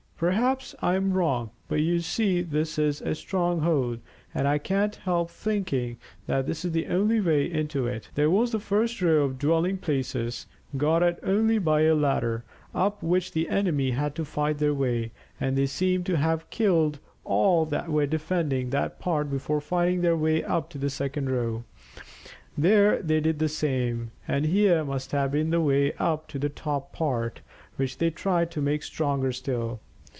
Perhaps I'm wrong, but you see this is a stronghold, and I can't help thinking that this is the only way into it. There was the first row of dwelling places, got at only by a ladder, up which the enemy had to fight their way, and they seem to have killed all that were defending that part before fighting their way up to the second row. There they did the same, and here must have been the way up to the top part, which they tried to make stronger still.